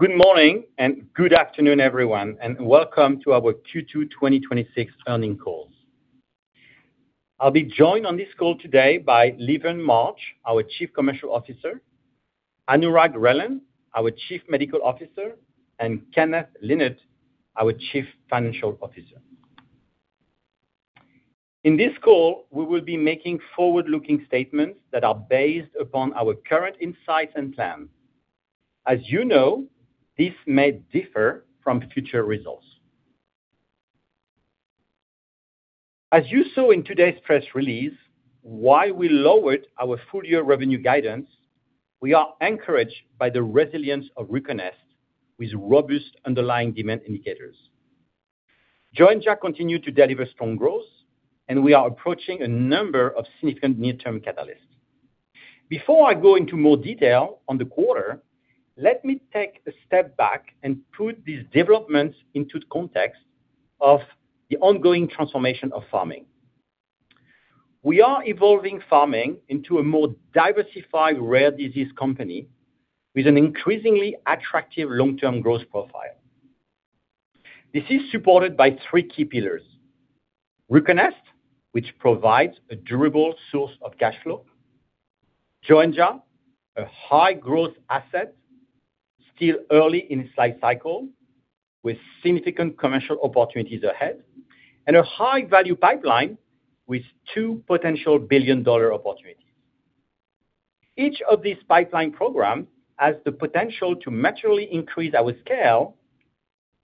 Good morning and good afternoon, everyone, welcome to our Q2 2026 earnings call. I will be joined on this call today by Leverne Marsh, our Chief Commercial Officer, Anurag Relan, our Chief Medical Officer, and Kenneth Lynard, our Chief Financial Officer. In this call, we will be making forward-looking statements that are based upon our current insights and plans. You know, these may differ from future results. You saw in today's press release, while we lowered our full-year revenue guidance, we are encouraged by the resilience of RUCONEST with robust underlying demand indicators. Joenja continued to deliver strong growth, we are approaching a number of significant near-term catalysts. Before I go into more detail on the quarter, let me take a step back and put these developments into context of the ongoing transformation of Pharming. We are evolving Pharming into a more diversified rare disease company with an increasingly attractive long-term growth profile. This is supported by three key pillars. RUCONEST, which provides a durable source of cash flow. Joenja, a high-growth asset still early in its life cycle with significant commercial opportunities ahead. A high-value pipeline with two potential billion-dollar opportunities. Each of these pipeline programs has the potential to materially increase our scale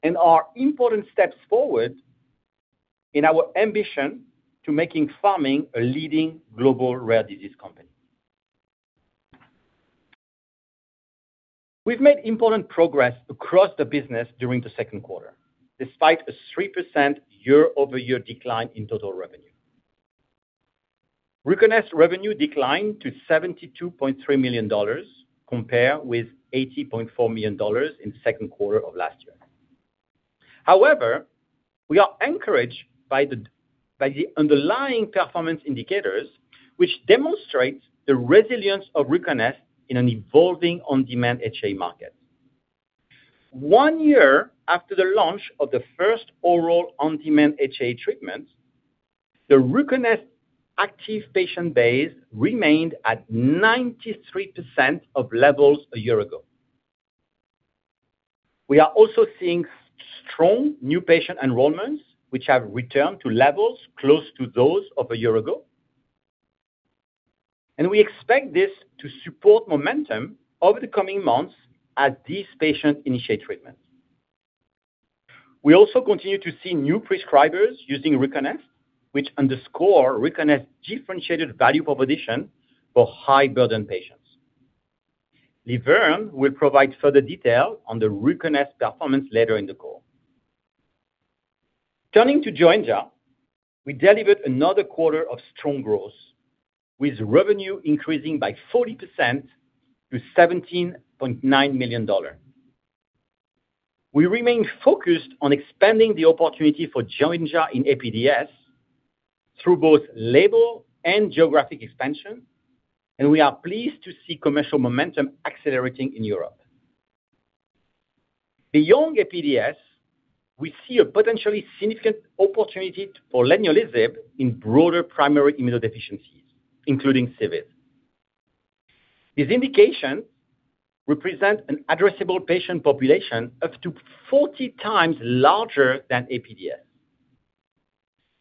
and are important steps forward in our ambition to making Pharming a leading global rare disease company. We have made important progress across the business during the second quarter, despite a 3% year-over-year decline in total revenue. RUCONEST revenue declined to $72.3 million, compared with $80.4 million in the second quarter of last year. However, we are encouraged by the underlying performance indicators, which demonstrate the resilience of RUCONEST in an evolving on-demand HAE market. One year after the launch of the first oral on-demand HAE treatment, the RUCONEST active patient base remained at 93% of levels a year ago. We are also seeing strong new patient enrollments, which have returned to levels close to those of a year ago. We expect this to support momentum over the coming months as these patients initiate treatment. We also continue to see new prescribers using RUCONEST, which underscore RUCONEST differentiated value proposition for high-burden patients. Leverne will provide further detail on the RUCONEST performance later in the call. Turning to Joenja, we delivered another quarter of strong growth, with revenue increasing by 40% to $17.9 million. We remain focused on expanding the opportunity for Joenja in APDS through both label and geographic expansion, we are pleased to see commercial momentum accelerating in Europe. Beyond APDS, we see a potentially significant opportunity for leniolisib in broader primary immunodeficiencies, including CVID. This indication represents an addressable patient population up to 40x larger than APDS.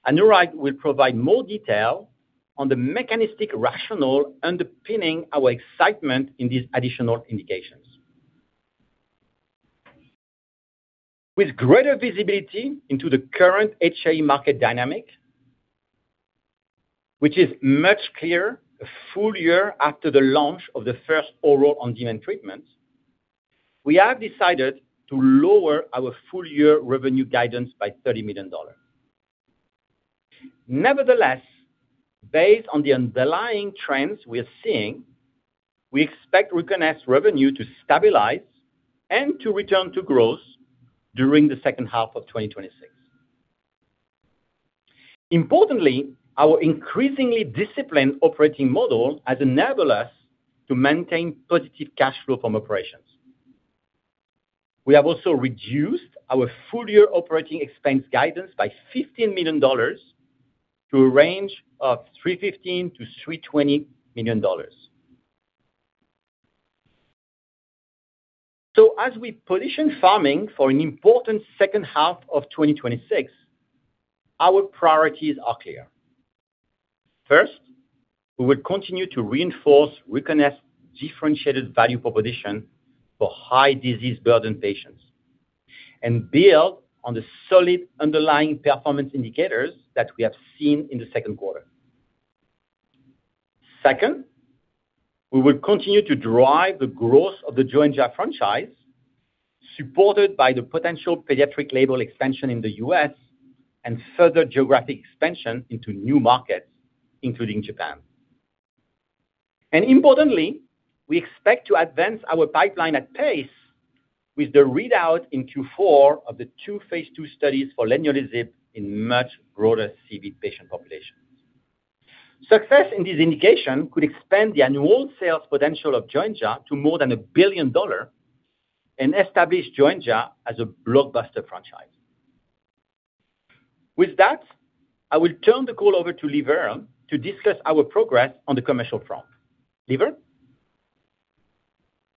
Anurag will provide more detail on the mechanistic rationale underpinning our excitement in these additional indications. With greater visibility into the current HAE market dynamic, which is much clearer a full-year after the launch of the first oral on-demand treatment, we have decided to lower our full-year revenue guidance by $30 million. Nevertheless, based on the underlying trends we are seeing, we expect RUCONEST revenue to stabilize and to return to growth during the second half of 2026. Importantly, our increasingly disciplined operating model has enabled us to maintain positive cash flow from operations. We have also reduced our full-year operating expense guidance by $15 million to a range of $315 million-$320 million. As we position Pharming for an important second half of 2026, our priorities are clear. First, we will continue to reinforce RUCONEST differentiated value proposition for high disease burden patients and build on the solid underlying performance indicators that we have seen in the second quarter. Second, we will continue to drive the growth of the Joenja franchise, supported by the potential pediatric label expansion in the U.S. and further geographic expansion into new markets, including Japan. Importantly, we expect to advance our pipeline at pace with the readout in Q4 of the two phase II studies for leniolisib in much broader CVID patient populations. Success in this indication could expand the annual sales potential of Joenja to more than $1 billion and establish Joenja as a blockbuster franchise. With that, I will turn the call over to Leverne to discuss our progress on the commercial front. Leverne?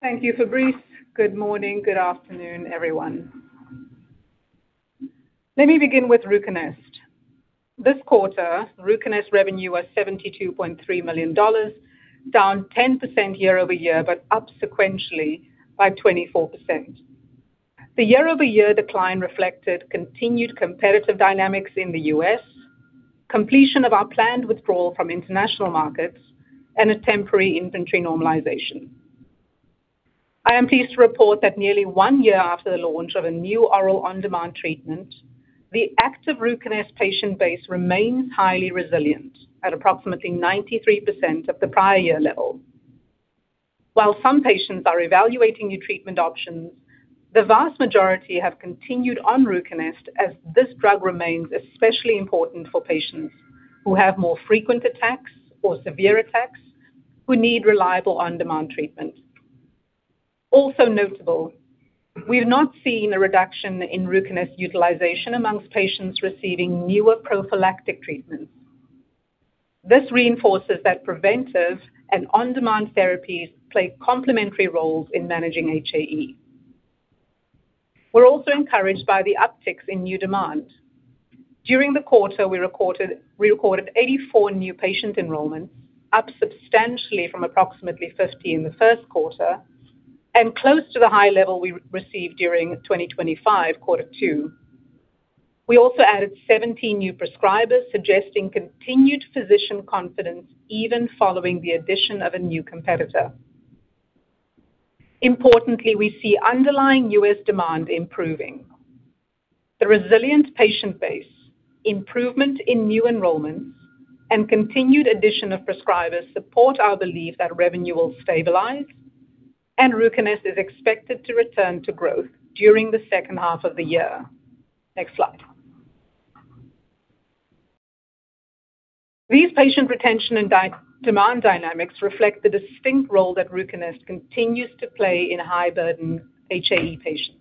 Thank you, Fabrice. Good morning, good afternoon, everyone. Let me begin with RUCONEST. This quarter, RUCONEST revenue was $72.3 million, down 10% year-over-year, but up sequentially by 24%. The year-over-year decline reflected continued competitive dynamics in the U.S., completion of our planned withdrawal from international markets, and a temporary inventory normalization. I am pleased to report that nearly one year after the launch of a new oral on-demand treatment, the active RUCONEST patient base remains highly resilient at approximately 93% of the prior year level. While some patients are evaluating new treatment options, the vast majority have continued on RUCONEST, as this drug remains especially important for patients who have more frequent attacks or severe attacks who need reliable on-demand treatment. Also notable, we have not seen a reduction in RUCONEST utilization amongst patients receiving newer prophylactic treatments. This reinforces that preventive and on-demand therapies play complementary roles in managing HAE. We're also encouraged by the upticks in new demand. During the quarter, we recorded 84 new patient enrollments, up substantially from approximately 50 in the first quarter and close to the high level we received during 2025, quarter two. We also added 17 new prescribers, suggesting continued physician confidence even following the addition of a new competitor. Importantly, we see underlying U.S. demand improving. The resilient patient base, improvement in new enrollments, and continued addition of prescribers support our belief that revenue will stabilize and RUCONEST is expected to return to growth during the second half of the year. Next slide. These patient retention and demand dynamics reflect the distinct role that RUCONEST continues to play in high-burden HAE patients.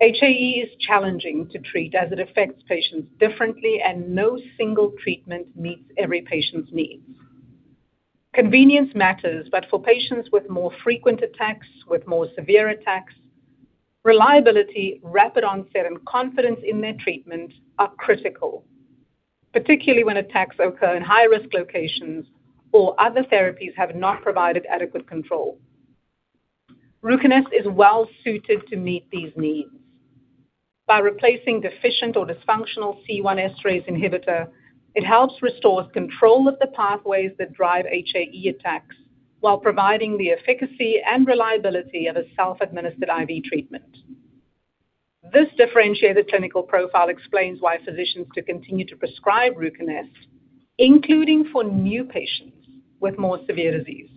HAE is challenging to treat as it affects patients differently and no single treatment meets every patient's needs. Convenience matters, but for patients with more frequent attacks, with more severe attacks, reliability, rapid onset, and confidence in their treatment are critical, particularly when attacks occur in high-risk locations or other therapies have not provided adequate control. RUCONEST is well-suited to meet these needs. By replacing deficient or dysfunctional C1 esterase inhibitor, it helps restore control of the pathways that drive HAE attacks while providing the efficacy and reliability of a self-administered IV treatment. This differentiated clinical profile explains why physicians could continue to prescribe RUCONEST, including for new patients with more severe disease.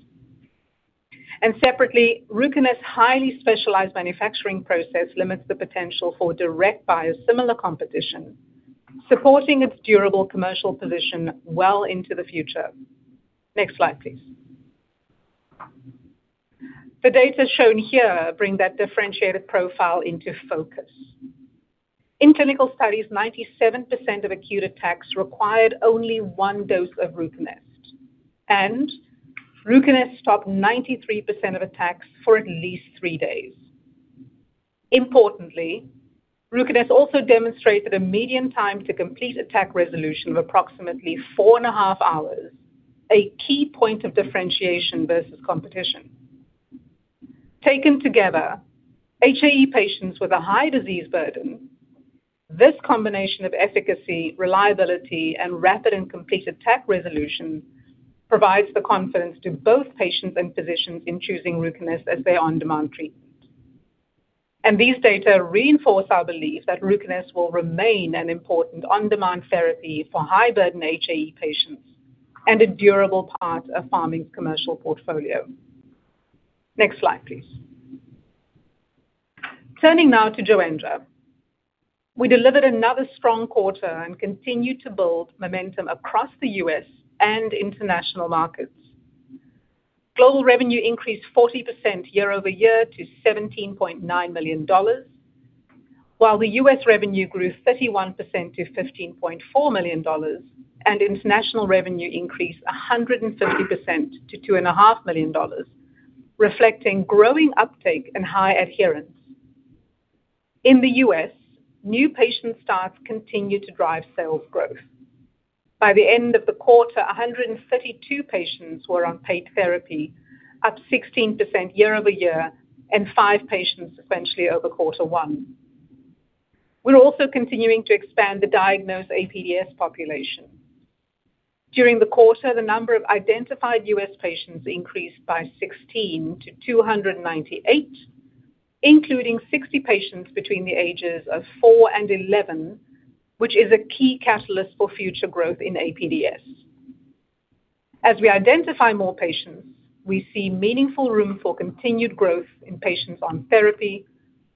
Separately, RUCONEST's highly specialized manufacturing process limits the potential for direct biosimilar competition, supporting its durable commercial position well into the future. Next slide, please. The data shown here bring that differentiated profile into focus. In clinical studies, 97% of acute attacks required only one dose of RUCONEST, and RUCONEST stopped 93% of attacks for at least three days. Importantly, RUCONEST also demonstrated a median time to complete attack resolution of approximately four and a half hours, a key point of differentiation versus competition. Taken together, HAE patients with a high disease burden, this combination of efficacy, reliability, and rapid and complete attack resolution provides the confidence to both patients and physicians in choosing RUCONEST as their on-demand treatment. These data reinforce our belief that RUCONEST will remain an important on-demand therapy for high-burden HAE patients and a durable part of Pharming's commercial portfolio. Next slide, please. Turning now to Joenja. We delivered another strong quarter and continue to build momentum across the U.S. and international markets. Global revenue increased 40% year-over-year to $17.9 million, while the U.S. revenue grew 31% to $15.4 million and international revenue increased 150% to $2.5 million, reflecting growing uptake and high adherence. In the U.S., new patient starts continue to drive sales growth. By the end of the quarter, 132 patients were on paid therapy, up 16% year-over-year, and five patients sequentially over quarter one. We are also continuing to expand the diagnosed APDS population. During the quarter, the number of identified U.S. patients increased by 16 to 298, including 60 patients between the ages of four and 11, which is a key catalyst for future growth in APDS. As we identify more patients, we see meaningful room for continued growth in patients on therapy,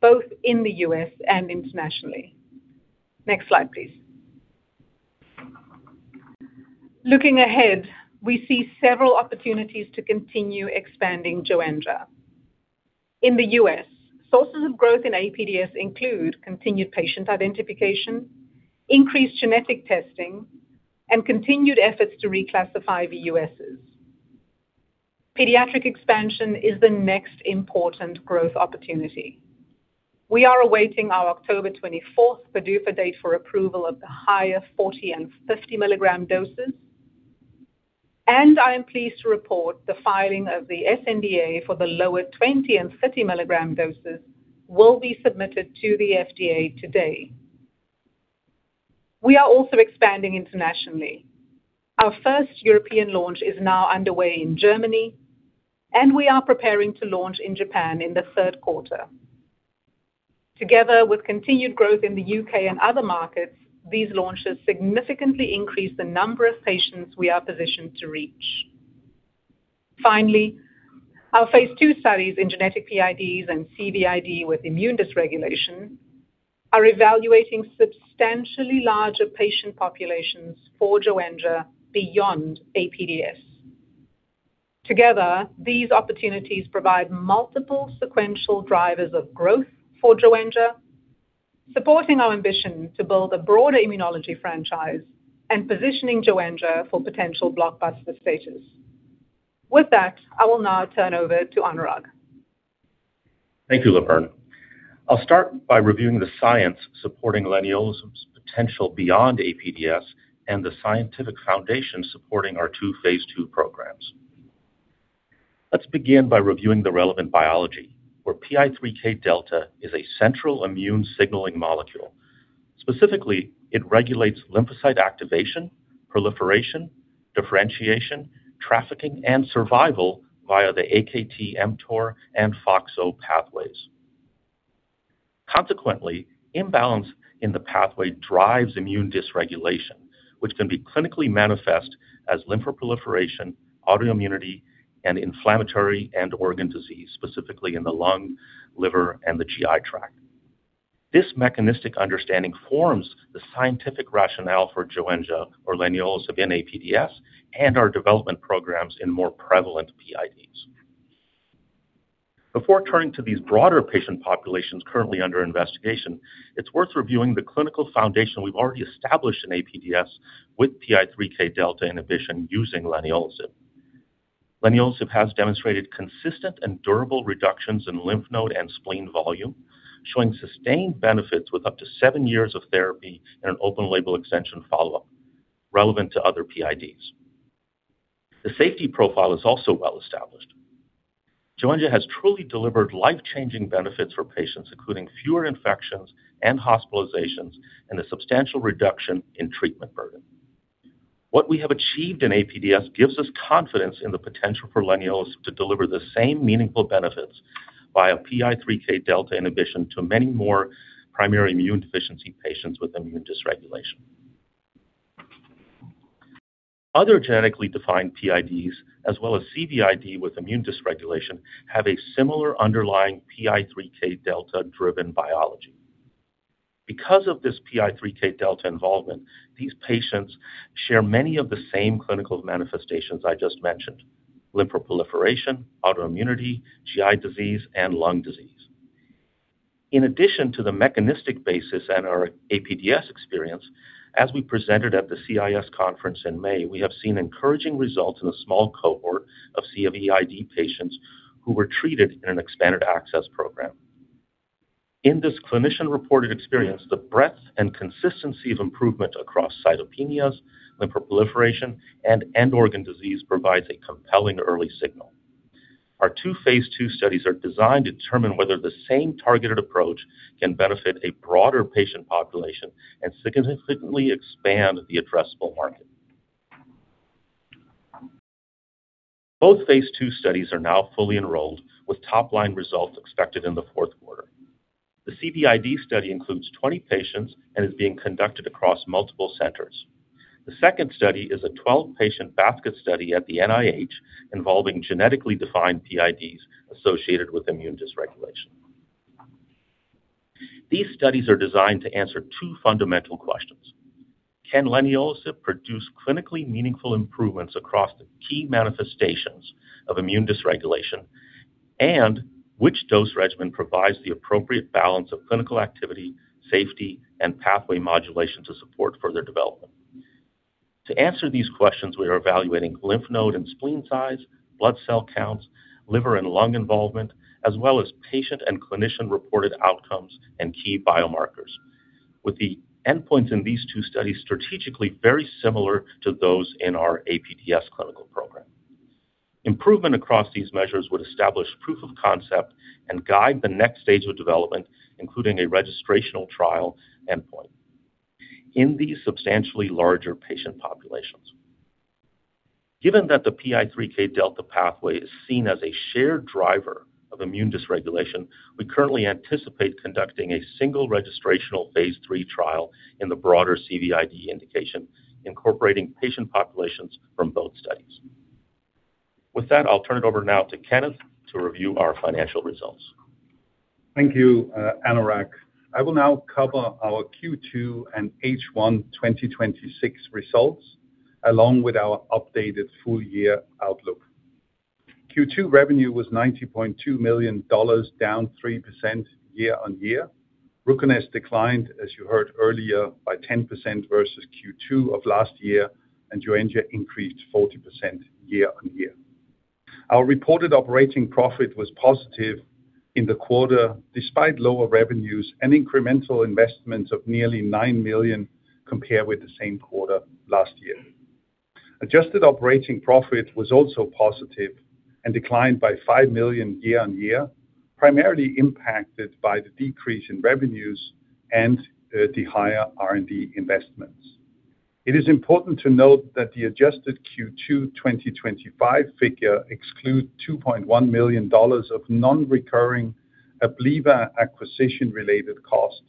both in the U.S. and internationally. Next slide, please. Looking ahead, we see several opportunities to continue expanding Joenja. In the U.S., sources of growth in APDS include continued patient identification, increased genetic testing, and continued efforts to reclassify VUSs. Pediatric expansion is the next important growth opportunity. We are awaiting our October 24 PDUFA date for approval of the higher 40 mg and 50 mg doses. I am pleased to report the filing of the sNDA for the lower 20 mg and 30 mg doses will be submitted to the FDA today. We are also expanding internationally. Our first European launch is now underway in Germany, and we are preparing to launch in Japan in the third quarter. Together with continued growth in the U.K. and other markets, these launches significantly increase the number of patients we are positioned to reach. Finally, our phase II studies in genetic PIDs and CVID with immune dysregulation are evaluating substantially larger patient populations for Joenja beyond APDS. Together, these opportunities provide multiple sequential drivers of growth for Joenja, supporting our ambition to build a broader immunology franchise and positioning Joenja for potential blockbuster status. With that, I will now turn over to Anurag. Thank you, Leverne. I'll start by reviewing the science supporting leniolisib's potential beyond APDS and the scientific foundation supporting our two phase II programs. Let's begin by reviewing the relevant biology, where PI3K delta is a central immune signaling molecule. Specifically, it regulates lymphocyte activation, proliferation, differentiation, trafficking, and survival via the AKT, mTOR, and FOXO pathways. Consequently, imbalance in the pathway drives immune dysregulation, which can be clinically manifest as lymphoproliferation, autoimmunity, and inflammatory end-organ disease, specifically in the lung, liver, and the GI tract. This mechanistic understanding forms the scientific rationale for Joenja or leniolisib in APDS and our development programs in more prevalent PIDs. Before turning to these broader patient populations currently under investigation, it's worth reviewing the clinical foundation we've already established in APDS with PI3K delta inhibition using leniolisib. Leniolisib has demonstrated consistent and durable reductions in lymph node and spleen volume, showing sustained benefits with up to seven years of therapy in an open-label extension follow-up relevant to other PIDs. The safety profile is also well-established. Joenja has truly delivered life-changing benefits for patients, including fewer infections and hospitalizations, and a substantial reduction in treatment burden. What we have achieved in APDS gives us confidence in the potential for leniolisib to deliver the same meaningful benefits via PI3K delta inhibition to many more primary immune deficiency patients with immune dysregulation. Other genetically defined PIDs, as well as CVID with immune dysregulation, have a similar underlying PI3K delta-driven biology. Because of this PI3K delta involvement, these patients share many of the same clinical manifestations I just mentioned: lymphoproliferation, autoimmunity, GI disease, and lung disease. In addition to the mechanistic basis and our APDS experience, as we presented at the CIS conference in May, we have seen encouraging results in a small cohort of CVID patients who were treated in an expanded access program. In this clinician-reported experience, the breadth and consistency of improvement across cytopenias, lymphoproliferation, and end-organ disease provides a compelling early signal. Our two phase II studies are designed to determine whether the same targeted approach can benefit a broader patient population and significantly expand the addressable market. Both phase II studies are now fully enrolled, with top-line results expected in the fourth quarter. The CVID study includes 20 patients and is being conducted across multiple centers. The second study is a 12-patient basket study at the NIH involving genetically defined PIDs associated with immune dysregulation. These studies are designed to answer two fundamental questions. Can leniolisib produce clinically meaningful improvements across the key manifestations of immune dysregulation? Which dose regimen provides the appropriate balance of clinical activity, safety, and pathway modulation to support further development? To answer these questions, we are evaluating lymph node and spleen size, blood cell counts, liver and lung involvement, as well as patient and clinician-reported outcomes and key biomarkers. With the endpoints in these two studies strategically very similar to those in our APDS clinical program. Improvement across these measures would establish proof of concept and guide the next stage of development, including a registrational phase III trial endpoint in these substantially larger patient populations. Given that the PI3K delta pathway is seen as a shared driver of immune dysregulation. We currently anticipate conducting a single registrational phase III trial in the broader CVID indication, incorporating patient populations from both studies. With that, I'll turn it over now to Kenneth to review our financial results. Thank you, Anurag. I will now cover our Q2 and H1 2026 results, along with our updated full-year outlook. Q2 revenue was $90.2 million, down 3% year-on-year. RUCONEST declined, as you heard earlier, by 10% versus Q2 of last year, and Joenja increased 40% year-on-year. Our reported operating profit was positive in the quarter, despite lower revenues and incremental investments of nearly $9 million compared with the same quarter last year. Adjusted operating profit was also positive and declined by $5 million year-on-year, primarily impacted by the decrease in revenues and the higher R&D investments. It is important to note that the adjusted Q2 2025 figure excludes $2.1 million of non-recurring Abliva acquisition-related costs,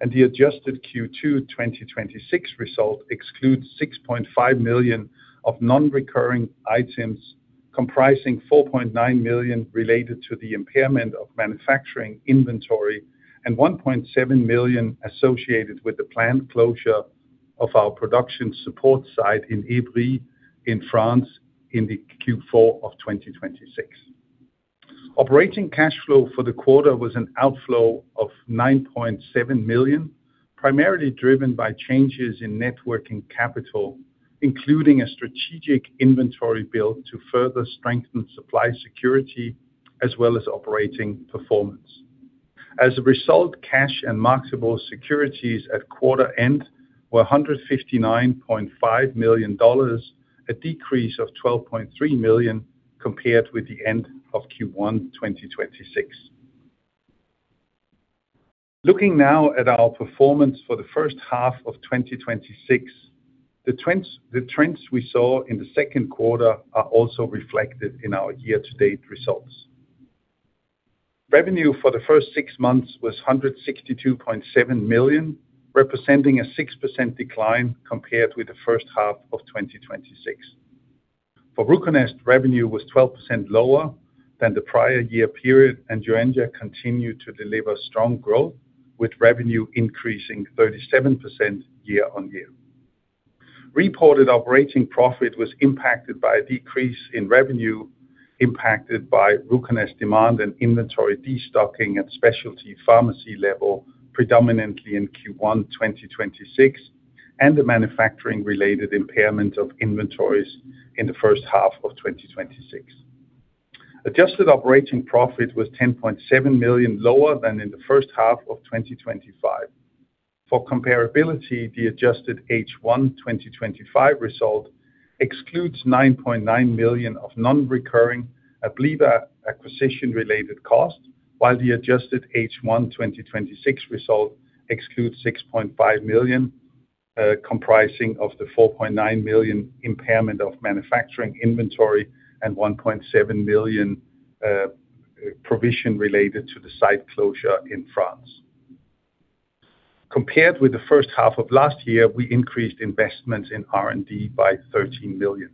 and the adjusted Q2 2026 result excludes $6.5 million of non-recurring items, comprising $4.9 million related to the impairment of manufacturing inventory and $1.7 million associated with the planned closure of our production support site in Évry, in France, in the Q4 of 2026. Operating cash flow for the quarter was an outflow of $9.7 million, primarily driven by changes in net working capital, including a strategic inventory build to further strengthen supply security as well as operating performance. As a result, cash and marketable securities at quarter end were $159.5 million, a decrease of $12.3 million compared with the end of Q1 2026. Looking now at our performance for the first half of 2026, the trends we saw in the second quarter are also reflected in our year-to-date results. Revenue for the first six months was $162.7 million, representing a 6% decline compared with the first half of 2026. For RUCONEST, revenue was 12% lower than the prior year period, and Joenja continued to deliver strong growth, with revenue increasing 37% year-on-year. Reported operating profit was impacted by a decrease in revenue impacted by RUCONEST demand and inventory destocking at specialty pharmacy level, predominantly in Q1 2026, and the manufacturing-related impairment of inventories in the first half of 2026. Adjusted operating profit was $10.7 million, lower than in the first half of 2025. For comparability, the adjusted H1 2025 result excludes $9.9 million of non-recurring Abliva acquisition-related costs, while the adjusted H1 2026 result excludes $6.5 million, comprising of the $4.9 million impairment of manufacturing inventory and $1.7 million provision related to the site closure in France. Compared with the first half of last year, we increased investments in R&D by $13 million.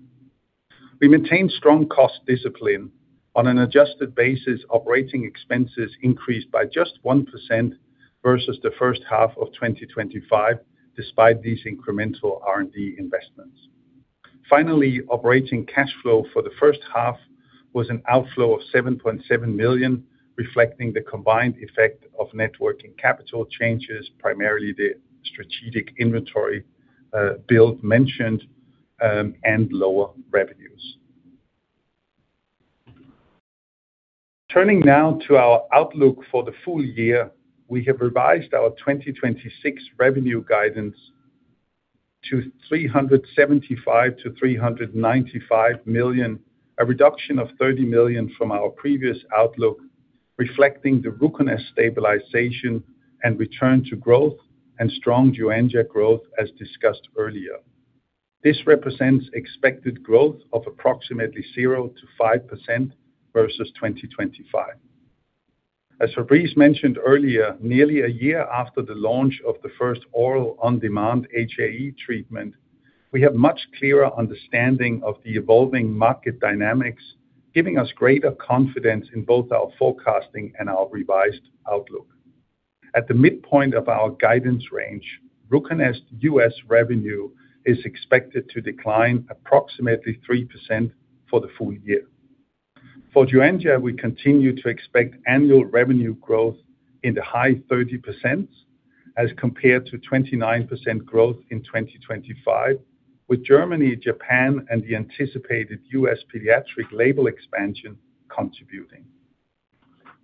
We maintained strong cost discipline. On an adjusted basis, operating expenses increased by just 1% versus the first half of 2025, despite these incremental R&D investments. Finally, operating cash flow for the first half was an outflow of $7.7 million, reflecting the combined effect of net working capital changes, primarily the strategic inventory build mentioned, and lower revenues. Turning now to our outlook for the full-year. We have revised our 2026 revenue guidance to $375 million-$395 million, a reduction of $30 million from our previous outlook, reflecting the RUCONEST stabilization and return to growth and strong Joenja growth as discussed earlier. This represents expected growth of approximately 0%-5% versus 2025. As Fabrice mentioned earlier, nearly a year after the launch of the first oral on-demand HAE treatment, we have much clearer understanding of the evolving market dynamics, giving us greater confidence in both our forecasting and our revised outlook. At the midpoint of our guidance range, RUCONEST U.S. revenue is expected to decline approximately 3% for the full-year. For Joenja, we continue to expect annual revenue growth in the high 30%s as compared to 29% growth in 2025, with Germany, Japan, and the anticipated U.S. pediatric label expansion contributing.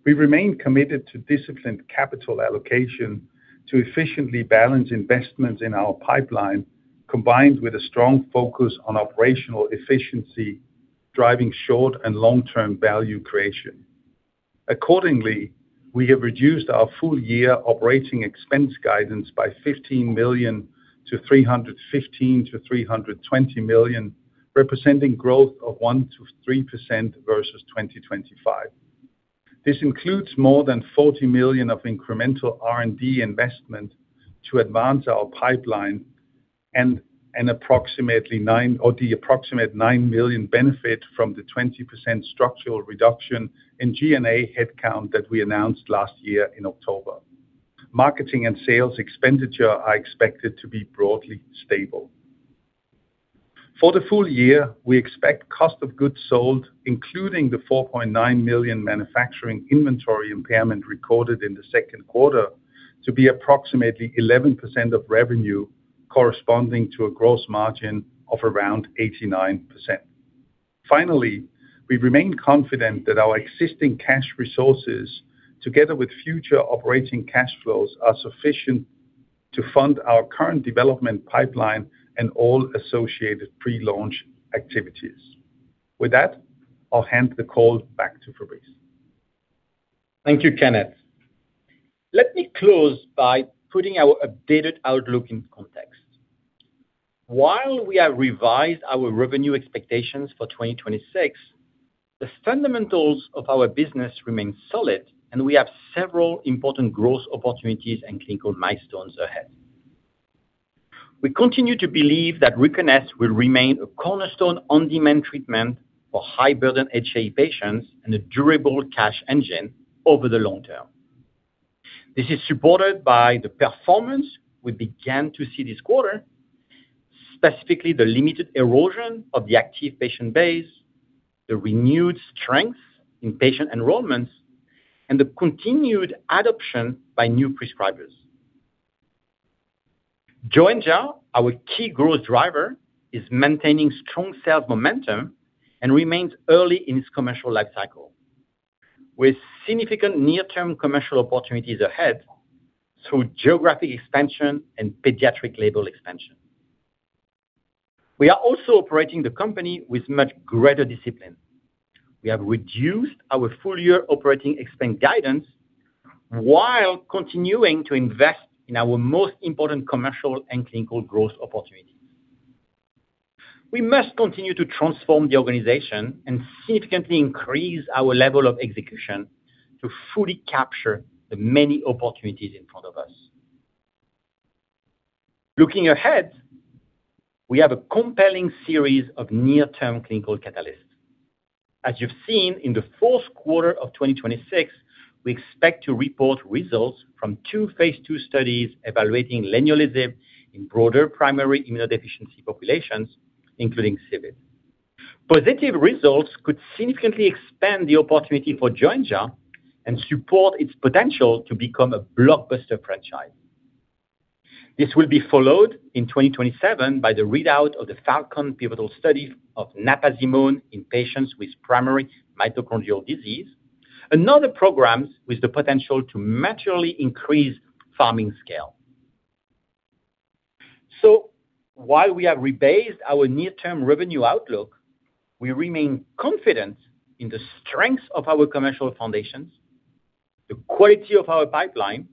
We remain committed to disciplined capital allocation to efficiently balance investments in our pipeline, combined with a strong focus on operational efficiency, driving short and long-term value creation. Accordingly, we have reduced our full-year operating expense guidance by $15 million to $315 million-$320 million, representing growth of 1%-3% versus 2025. This includes more than $40 million of incremental R&D investment to advance our pipeline and the approximate $9 million benefit from the 20% structural reduction in G&A headcount that we announced last year in October. Marketing and sales expenditure are expected to be broadly stable. For the full-year, we expect cost of goods sold, including the $4.9 million manufacturing inventory impairment recorded in the second quarter, to be approximately 11% of revenue, corresponding to a gross margin of around 89%. Finally, we remain confident that our existing cash resources, together with future operating cash flows, are sufficient to fund our current development pipeline and all associated pre-launch activities. With that, I'll hand the call back to Fabrice. Thank you, Kenneth. Let me close by putting our updated outlook into context. While we have revised our revenue expectations for 2026, the fundamentals of our business remain solid, and we have several important growth opportunities and clinical milestones ahead. We continue to believe that RUCONEST will remain a cornerstone on-demand treatment for high-burden HAE patients and a durable cash engine over the long term. This is supported by the performance we began to see this quarter, specifically the limited erosion of the active patient base, the renewed strength in patient enrollments, and the continued adoption by new prescribers. Joenja, our key growth driver, is maintaining strong sales momentum and remains early in its commercial life cycle with significant near-term commercial opportunities ahead through geographic expansion and pediatric label expansion. We are also operating the company with much greater discipline. We have reduced our full-year operating expense guidance while continuing to invest in our most important commercial and clinical growth opportunities. We must continue to transform the organization and significantly increase our level of execution to fully capture the many opportunities in front of us. Looking ahead, we have a compelling series of near-term clinical catalysts. As you've seen in the fourth quarter of 2026, we expect to report results from two phase II studies evaluating leniolisib in broader primary immunodeficiency populations, including CVID. Positive results could significantly expand the opportunity for Joenja and support its potential to become a blockbuster franchise. This will be followed in 2027 by the readout of the FALCON pivotal study of napazimone in patients with primary mitochondrial disease. Another program with the potential to materially increase Pharming's scale. While we have rebased our near-term revenue outlook, we remain confident in the strength of our commercial foundations, the quality of our pipeline,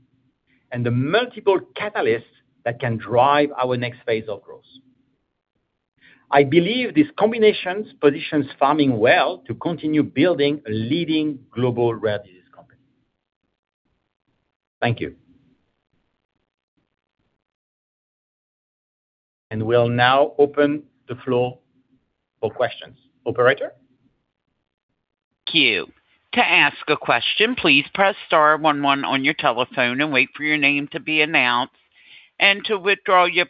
and the multiple catalysts that can drive our next phase of growth. I believe these combinations position Pharming well to continue building a leading global rare disease company. Thank you. We'll now open the floor for questions. Operator? Thank you. To ask a question, please press star one one on your telephone and wait for your name to be announced. To withdraw your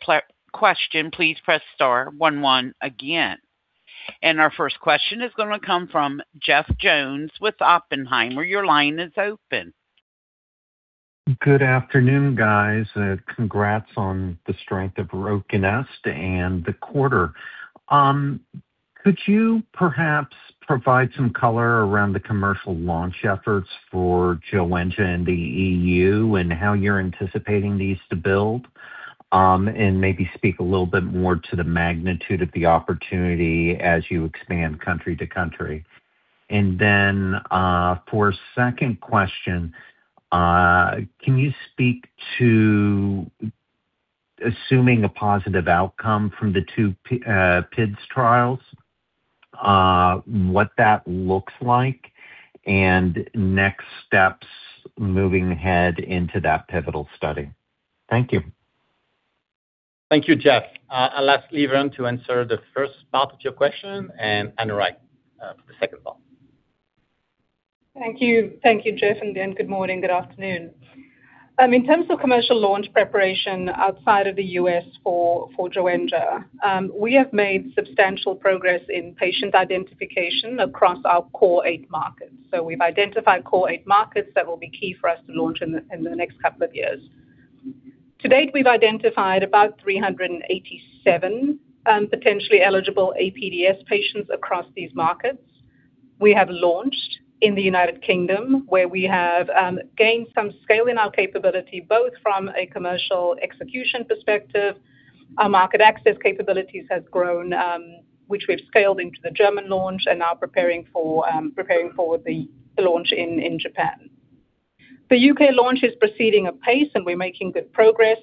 question, please press star one one again. Our first question is going to come from Jeff Jones with Oppenheimer. Your line is open. Good afternoon, guys. Congrats on the strength of RUCONEST and the quarter. Could you perhaps provide some color around the commercial launch efforts for Joenja in the E.U. and how you're anticipating these to build? Maybe speak a little bit more to the magnitude of the opportunity as you expand country to country. Then for a second question, can you speak to assuming a positive outcome from the two PIDs trials, what that looks like and next steps moving ahead into that pivotal study? Thank you. Thank you, Jeff. I'll ask Leverne to answer the first part of your question and Anurag for the second part. Thank you. Thank you, Jeff, good morning, good afternoon. In terms of commercial launch preparation outside of the U.S. for Joenja, we have made substantial progress in patient identification across our Core 8 markets. We've identified Core 8 markets that will be key for us to launch in the next couple of years. To date, we've identified about 387 potentially eligible APDS patients across these markets. We have launched in the United Kingdom, where we have gained some scale in our capability, both from a commercial execution perspective. Our market access capabilities has grown, which we've scaled into the German launch and are preparing for the launch in Japan. The U.K. launch is proceeding at pace, and we're making good progress.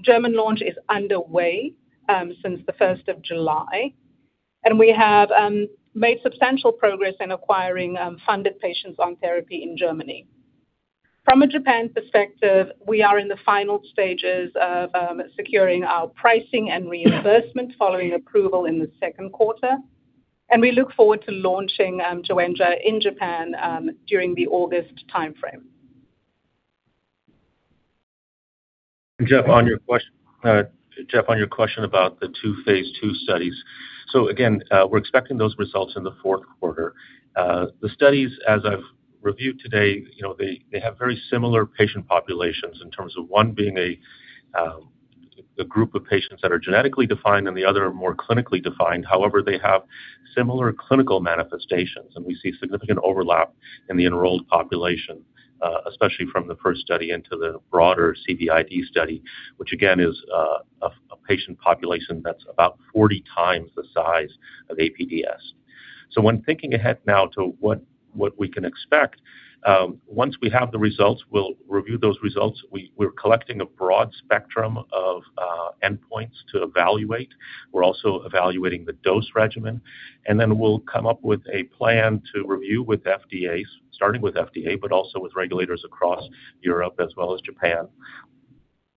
German launch is underway since the 1st of July, and we have made substantial progress in acquiring funded patients on therapy in Germany. From a Japan perspective, we are in the final stages of securing our pricing and reimbursement following approval in the second quarter. We look forward to launching Joenja in Japan during the August timeframe. Jeff, on your question about the two phase II studies. Again, we're expecting those results in the fourth quarter. The studies, as I've reviewed today, they have very similar patient populations in terms of one being a group of patients that are genetically defined and the other are more clinically defined. However, they have similar clinical manifestations, and we see significant overlap in the enrolled population, especially from the first study into the broader CVID study, which again, is a patient population that's about 40x the size of APDS. When thinking ahead now to what we can expect, once we have the results, we'll review those results. We're collecting a broad spectrum of endpoints to evaluate. We're also evaluating the dose regimen. Then we'll come up with a plan to review with FDA, starting with FDA, also with regulators across Europe as well as Japan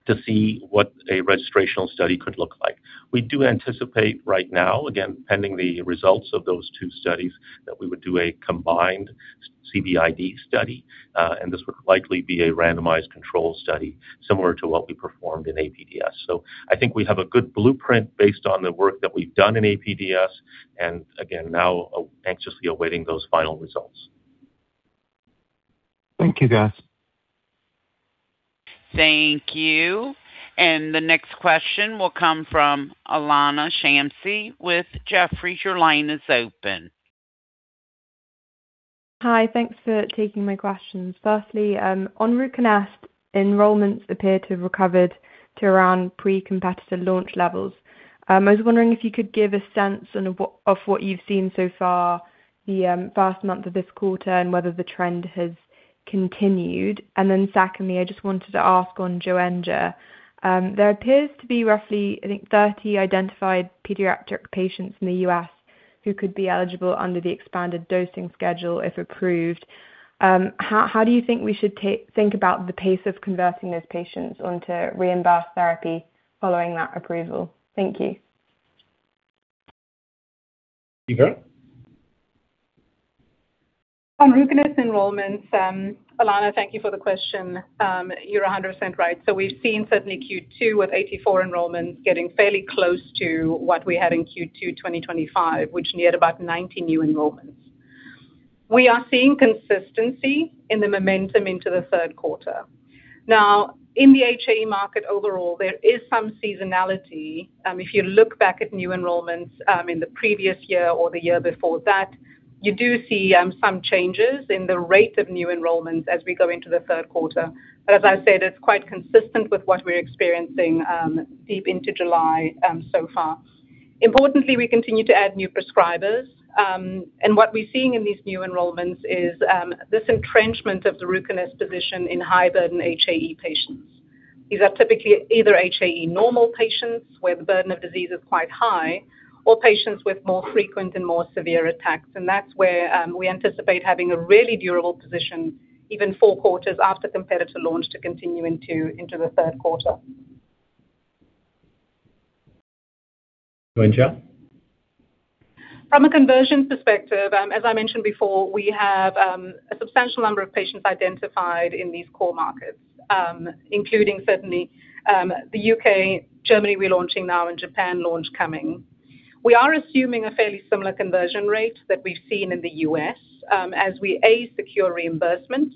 to see what a registrational study could look like. We do anticipate right now, again, pending the results of those two studies, that we would do a combined CVID study, and this would likely be a randomized control study similar to what we performed in APDS. I think we have a good blueprint based on the work that we've done in APDS, and again, now anxiously awaiting those final results. Thank you, guys. Thank you. The next question will come from Ilana Stepwysik with Jefferies. Your line is open. Hi. Thanks for taking my questions. Firstly, on RUCONEST, enrollments appear to have recovered to around pre-competitor launch levels. I was wondering if you could give a sense of what you've seen so far the first month of this quarter and whether the trend has continued. Secondly, I just wanted to ask on Joenja. There appears to be roughly, I think, 30 identified pediatric patients in the U.S. who could be eligible under the expanded dosing schedule, if approved. How do you think we should think about the pace of converting those patients onto reimbursed therapy following that approval? Thank you. Leverne? On RUCONEST enrollments, Ilana, thank you for the question. You're 100% right. We've seen certainly Q2 with 84 enrollments getting fairly close to what we had in Q2 2025, which neared about 90 new enrollments. We are seeing consistency in the momentum into the third quarter. In the HAE market overall, there is some seasonality. If you look back at new enrollments in the previous year or the year before that, you do see some changes in the rate of new enrollments as we go into the third quarter. As I said, it's quite consistent with what we're experiencing deep into July so far. Importantly, we continue to add new prescribers. What we're seeing in these new enrollments is this entrenchment of the RUCONEST position in high-burden HAE patients. These are typically either HAE normal patients, where the burden of disease is quite high, or patients with more frequent and more severe attacks. That's where we anticipate having a really durable position, even four quarters after competitor launch, to continue into the third quarter. Joenja? From a conversion perspective, as I mentioned before, we have a substantial number of patients identified in these core markets, including certainly the U.K., Germany we're launching now, and Japan launch coming. We are assuming a fairly similar conversion rate that we've seen in the U.S. as we secure reimbursement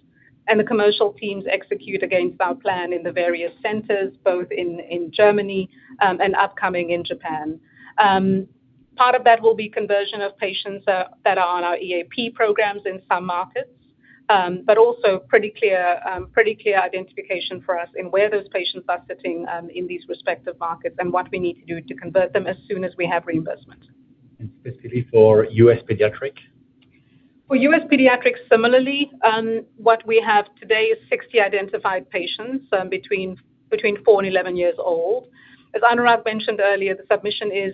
and the commercial teams execute against our plan in the various centers, both in Germany and upcoming in Japan. Part of that will be conversion of patients that are on our EAP programs in some markets, but also pretty clear identification for us in where those patients are sitting in these respective markets and what we need to do to convert them as soon as we have reimbursement. Specifically for U.S. pediatric? For U.S. pediatrics, similarly, what we have today is 60 identified patients between four and 11 years old. As Anurag mentioned earlier, the submission is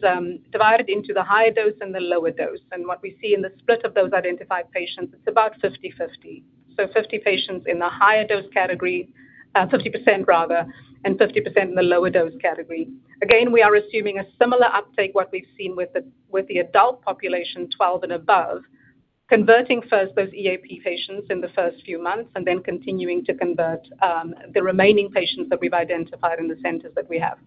divided into the higher dose and the lower dose. What we see in the split of those identified patients, it is about 50/50. 50 patients in the higher dose category, 50% rather, and 50% in the lower dose category. Again, we are assuming a similar uptake what we have seen with the adult population 12 and above, converting first those EAP patients in the first few months and then continuing to convert the remaining patients that we have identified in the centers that we have.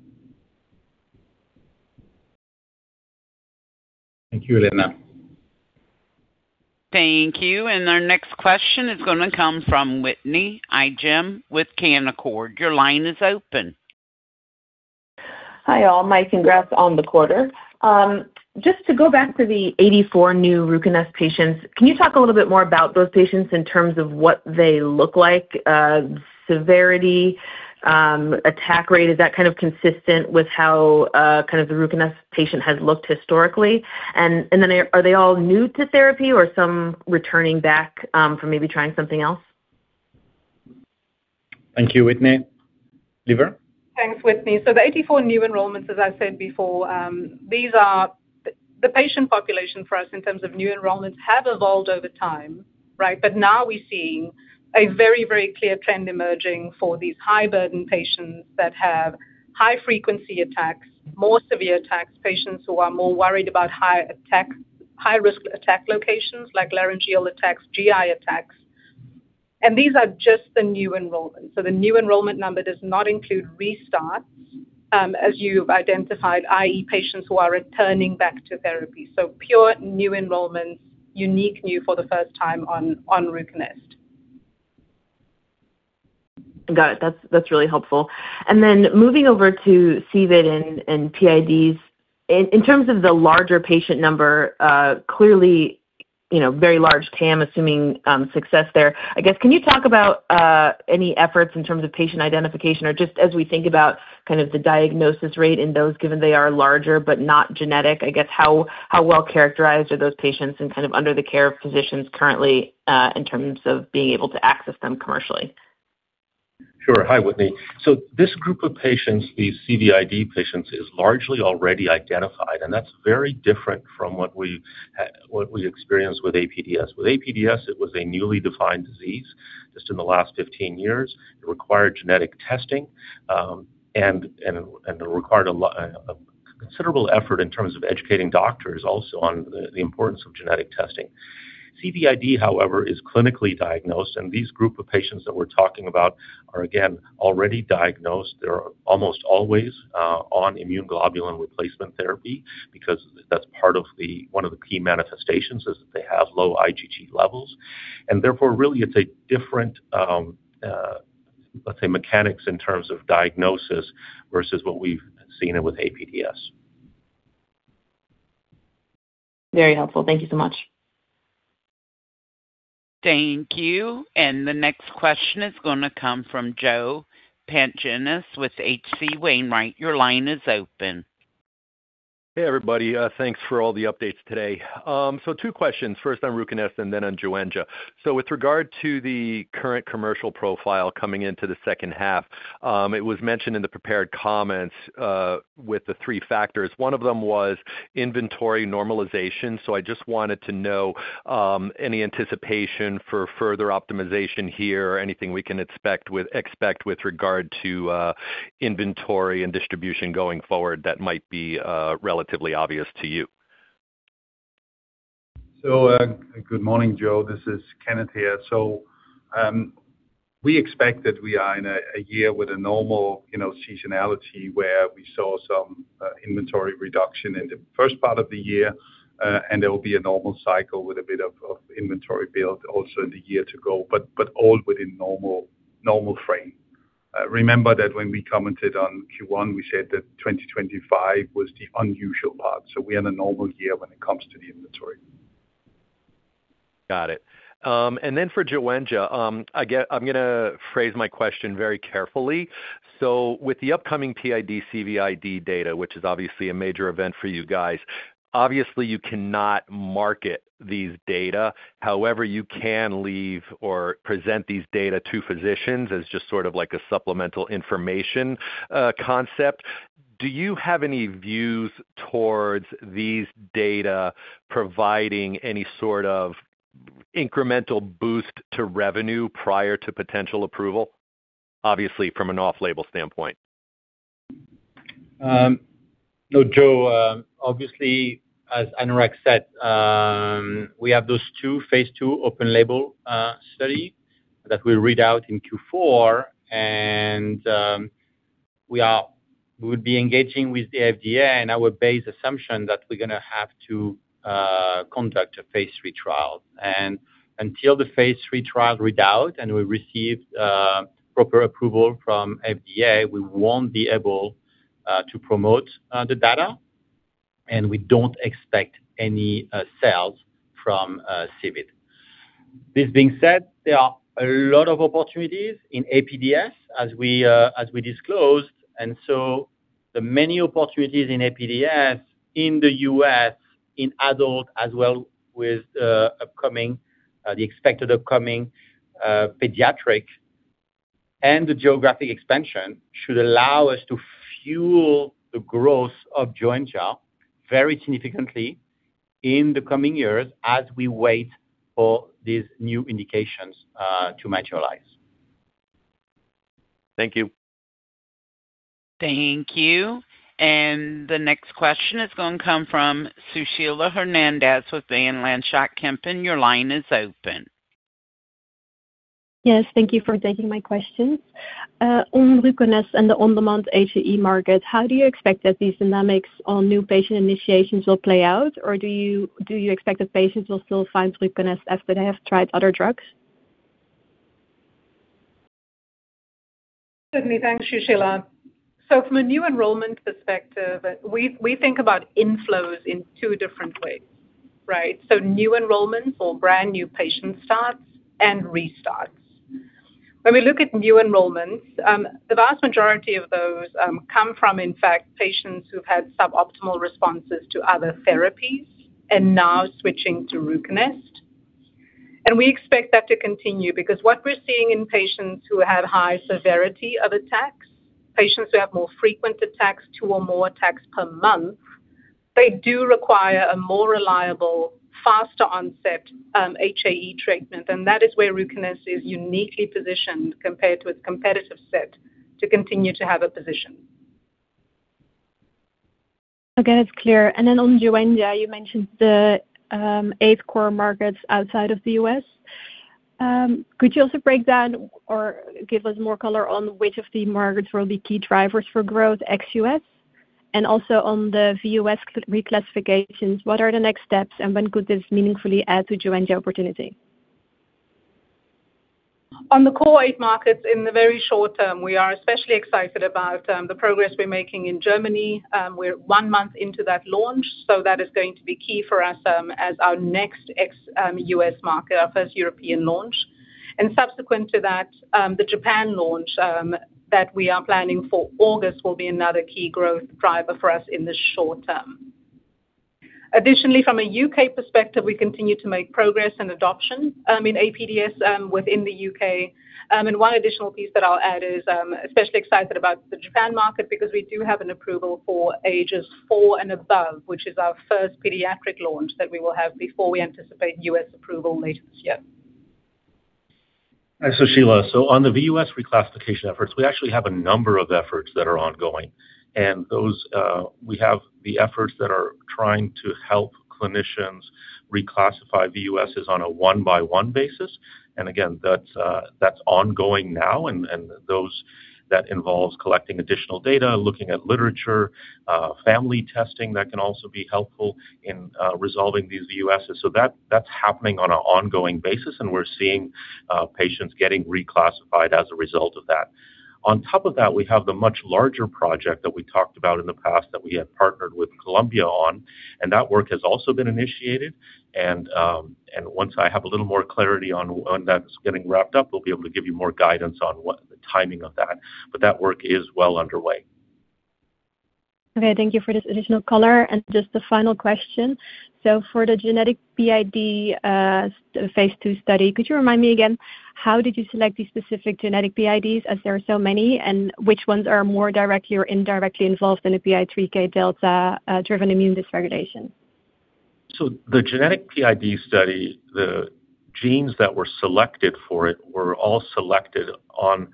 Thank you, Ilana. Thank you. Our next question is going to come from Whitney Ijem with Canaccord. Your line is open. Hi, all. My congrats on the quarter. Just to go back to the 84 new RUCONEST patients, can you talk a little bit more about those patients in terms of what they look like, severity, attack rate, is that consistent with how the RUCONEST patient has looked historically? Are they all new to therapy or some returning back from maybe trying something else? Thank you, Whitney. Leverne? Thanks, Whitney. The 84 new enrollments, as I said before, the patient population for us in terms of new enrollments have evolved over time. Now we're seeing a very clear trend emerging for these high-burden patients that have high-frequency attacks, more severe attacks, patients who are more worried about high-risk attack locations like laryngeal attacks, GI attacks. These are just the new enrollments. The new enrollment number does not include restarts, as you've identified, i.e., patients who are returning back to therapy. Pure new enrollments, unique new for the first time on RUCONEST. Got it. That's really helpful. Then moving over to CVID and PIDs. In terms of the larger patient number, clearly, very large TAM assuming success there. I guess, can you talk about any efforts in terms of patient identification or just as we think about the diagnosis rate in those, given they are larger but not genetic, I guess how well-characterized are those patients and under the care of physicians currently, in terms of being able to access them commercially? Sure. Hi, Whitney. This group of patients, these CVID patients, is largely already identified, and that's very different from what we experienced with APDS. With APDS, it was a newly defined disease just in the last 15 years. It required genetic testing, and it required a considerable effort in terms of educating doctors also on the importance of genetic testing. CVID, however, is clinically diagnosed, and these group of patients that we're talking about are, again, already diagnosed. They're almost always on immunoglobulin replacement therapy because that's part of one of the key manifestations is that they have low IgG levels. Therefore, really, it's a different, let's say, mechanics in terms of diagnosis versus what we've seen with APDS. Very helpful. Thank you so much. Thank you. The next question is going to come from Joe Pantginis with H.C. Wainwright. Your line is open. Hey, everybody. Thanks for all the updates today. Two questions. First on RUCONEST and then on Joenja. With regard to the current commercial profile coming into the second half, it was mentioned in the prepared comments, with the three factors. One of them was inventory normalization. I just wanted to know any anticipation for further optimization here or anything we can expect with regard to inventory and distribution going forward that might be relatively obvious to you. Good morning, Joe. This is Kenneth here. We expect that we are in a year with a normal seasonality where we saw some inventory reduction in the first part of the year, and there will be a normal cycle with a bit of inventory build also in the year to go, but all within normal frame. Remember that when we commented on Q1, we said that 2025 was the unusual part. We had a normal year when it comes to the inventory. Got it. Then for Joenja, I'm going to phrase my question very carefully. With the upcoming PIDs CVID data, which is obviously a major event for you guys, obviously you cannot market these data. However, you can leave or present these data to physicians as just sort of like a supplemental information concept. Do you have any views towards these data providing any sort of incremental boost to revenue prior to potential approval? Obviously, from an off-label standpoint. No, Joe. Obviously, as Anurag said, we have those two phase II open label study that we read out in Q4, and we would be engaging with the FDA and our base assumption that we're going to have to conduct a phase III trial. Until the phase III trial read out and we receive proper approval from FDA, we won't be able to promote the data, and we don't expect any sales from CVID. This being said, there are a lot of opportunities in APDS, as we disclosed, the many opportunities in APDS in the U.S. in adult as well with the expected upcoming pediatric and the geographic expansion should allow us to fuel the growth of Joenja very significantly in the coming years as we wait for these new indications to materialize. Thank you. Thank you. The next question is going to come from Sushila Hernandez with Van Lanschot Kempen. Your line is open. Yes. Thank you for taking my questions. On RUCONEST and the on-demand HAE market, how do you expect that these dynamics on new patient initiations will play out? Do you expect that patients will still find RUCONEST after they have tried other drugs? Certainly. Thanks, Sushila. From a new enrollment perspective, we think about inflows in two different ways, right? New enrollments or brand new patient starts and restarts. When we look at new enrollments, the vast majority of those come from, in fact, patients who've had suboptimal responses to other therapies and now switching to RUCONEST. We expect that to continue because what we're seeing in patients who have high severity of attacks, patients who have more frequent attacks, two or more attacks per month, they do require a more reliable, faster onset HAE treatment and that is where RUCONEST is uniquely positioned compared with competitive set to continue to have a position. Okay, that's clear. On Joenja, you mentioned the eight core markets outside of the U.S. Could you also break down or give us more color on which of the markets will be key drivers for growth ex-U.S.? On the VUS reclassifications, what are the next steps and when could this meaningfully add to Joenja opportunity? On the Core 8 markets in the very short term, we are especially excited about the progress we're making in Germany. We're one month into that launch, that is going to be key for us as our next ex-U.S. market, our first European launch. Subsequent to that, the Japan launch that we are planning for August will be another key growth driver for us in the short term. From a U.K. perspective, we continue to make progress in adoption in APDS within the U.K. One additional piece that I'll add is especially excited about the Japan market because we do have an approval for ages four and above, which is our first pediatric launch that we will have before we anticipate U.S. approval later this year. Sushila, on the VUS reclassification efforts, we actually have a number of efforts that are ongoing. We have the efforts that are trying to help clinicians reclassify VUSs on a one-by-one basis. That's ongoing now. That involves collecting additional data, looking at literature, family testing that can also be helpful in resolving these VUSs. That's happening on an ongoing basis, and we're seeing patients getting reclassified as a result of that. We have the much larger project that we talked about in the past that we had partnered with Columbia on, that work has also been initiated. Once I have a little more clarity on when that's getting wrapped up, we'll be able to give you more guidance on what the timing of that. That work is well underway. Okay, thank you for this additional color. Just the final question. For the genetic PID phase II study, could you remind me again, how did you select these specific genetic PIDs as there are so many? Which ones are more directly or indirectly involved in a PI3K delta-driven immune dysregulation? The genetic PID study, the genes that were selected for it were all selected on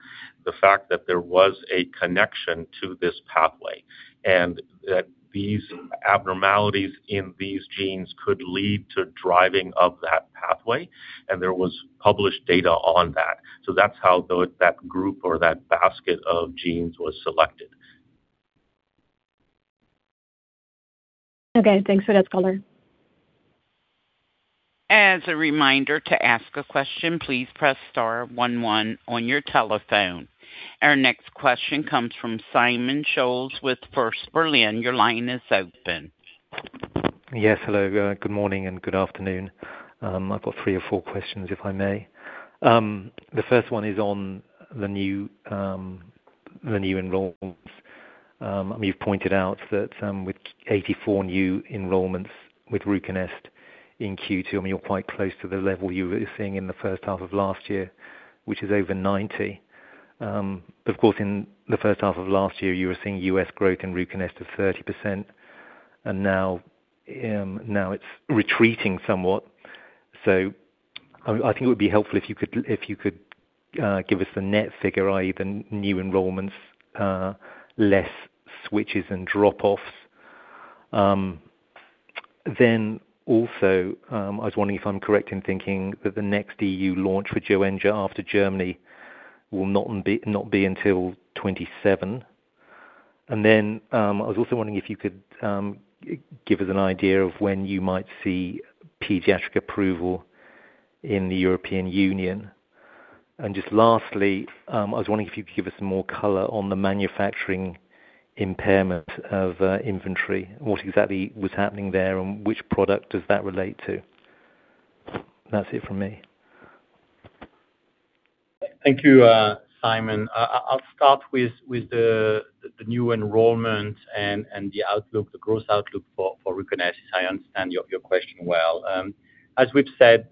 the fact that there was a connection to this pathway and that these abnormalities in these genes could lead to driving of that pathway, and there was published data on that. That's how that group or that basket of genes was selected. Okay, thanks for that color. As a reminder to ask a question, please press star one one on your telephone. Our next question comes from Simon Scholes with First Berlin. Your line is open. Yes, hello. Good morning and good afternoon. I've got three or four questions, if I may. The first one is on the new enrollments. You've pointed out that with 84 new enrollments with RUCONEST in Q2, I mean, you're quite close to the level you were seeing in the first half of last year, which is over 90. Of course, in the first half of last year, you were seeing U.S. growth in RUCONEST of 30%, and now it's retreating somewhat. I think it would be helpful if you could give us the net figure, i.e., the new enrollments less switches and drop-offs. Also, I was wondering if I'm correct in thinking that the next EU launch for Joenja after Germany will not be until 2027. I was also wondering if you could give us an idea of when you might see pediatric approval in the European Union. Just lastly, I was wondering if you could give us some more color on the manufacturing impairment of inventory, what exactly was happening there, and which product does that relate to. That's it from me. Thank you, Simon. I'll start with the new enrollment and the outlook, the growth outlook for RUCONEST, as I understand your question well. As we've said,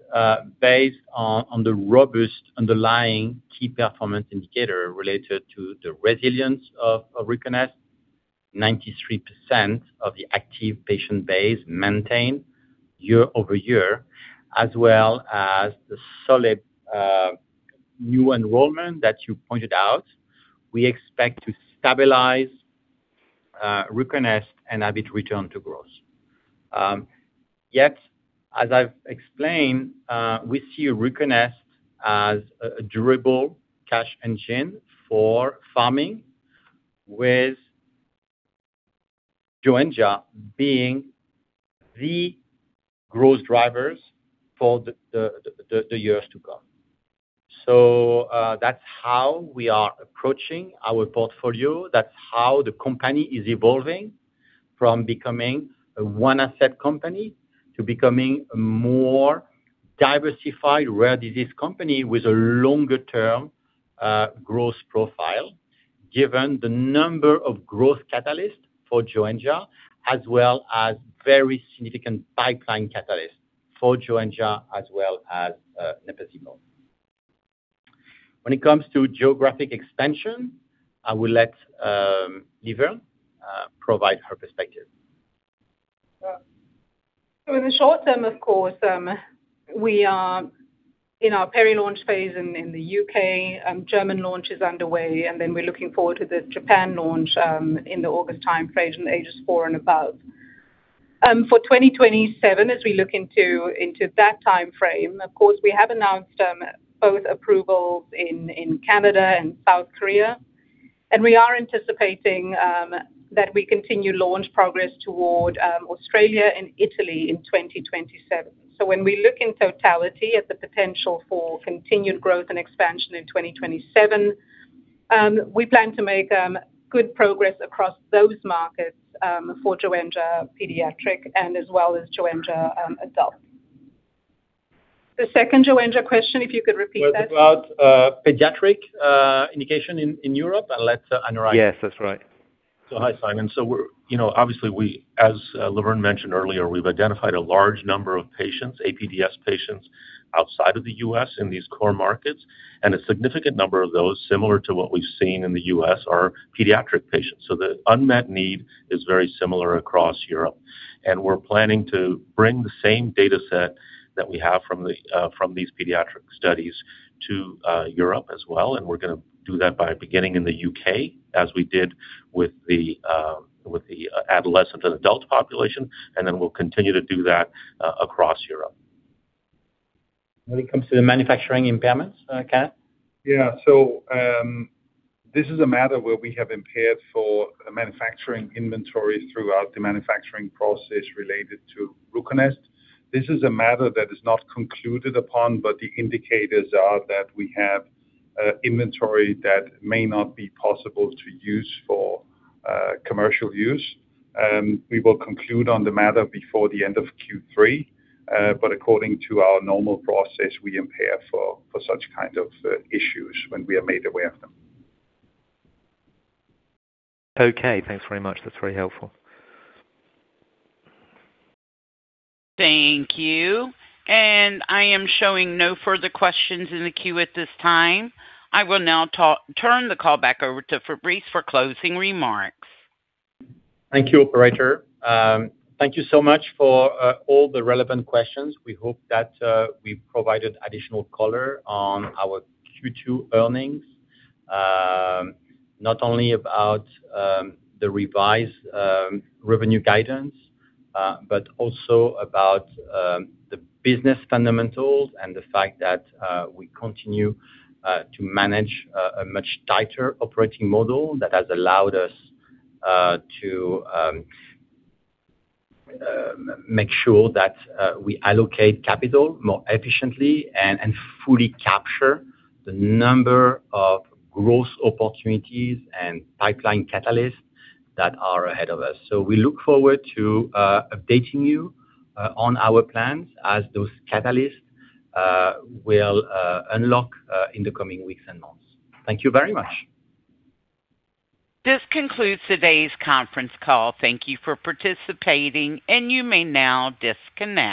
based on the robust underlying key performance indicator related to the resilience of RUCONEST, 93% of the active patient base maintained year-over-year, as well as the solid new enrollment that you pointed out. We expect to stabilize RUCONEST and have it return to growth. Yet, as I've explained, we see RUCONEST as a durable cash engine for Pharming with Joenja being the growth drivers for the years to come. That's how we are approaching our portfolio. That's how the company is evolving from becoming a one asset company to becoming a more diversified rare disease company with a longer-term growth profile, given the number of growth catalysts for Joenja, as well as very significant pipeline catalysts for Joenja as well as napazimone. When it comes to geographic expansion, I will let Leverne provide her perspective. In the short term, of course, we are in our peri-launch phase in the U.K., German launch is underway, we're looking forward to the Japan launch in the August timeframe in ages four and above. For 2027, as we look into that timeframe, of course, we have announced both approvals in Canada and South Korea, we are anticipating that we continue launch progress toward Australia and Italy in 2027. When we look in totality at the potential for continued growth and expansion in 2027, we plan to make good progress across those markets for Joenja pediatric and as well as Joenja adult. The second Joenja question, if you could repeat that. Was about pediatric indication in Europe. I'll let Anurag. Yes, that's right. Hi, Simon. Obviously, as Leverne mentioned earlier, we've identified a large number of APDS patients outside of the U.S. in these core markets, and a significant number of those, similar to what we've seen in the U.S., are pediatric patients. The unmet need is very similar across Europe. We're planning to bring the same data set that we have from these pediatric studies to Europe as well. We're going to do that by beginning in the U.K., as we did with the adolescent and adult population, then we'll continue to do that across Europe. When it comes to the manufacturing impairments, Kenneth? Yeah. This is a matter where we have impaired for manufacturing inventory throughout the manufacturing process related to RUCONEST. This is a matter that is not concluded upon, but the indicators are that we have inventory that may not be possible to use for commercial use. We will conclude on the matter before the end of Q3. According to our normal process, we impair for such kind of issues when we are made aware of them. Okay, thanks very much. That's very helpful. Thank you. I am showing no further questions in the queue at this time. I will now turn the call back over to Fabrice for closing remarks. Thank you, operator. Thank you so much for all the relevant questions. We hope that we provided additional color on our Q2 earnings. Not only about the revised revenue guidance, but also about the business fundamentals and the fact that we continue to manage a much tighter operating model that has allowed us to make sure that we allocate capital more efficiently and fully capture the number of growth opportunities and pipeline catalysts that are ahead of us. We look forward to updating you on our plans as those catalysts will unlock in the coming weeks and months. Thank you very much. This concludes today's conference call. Thank you for participating, and you may now disconnect.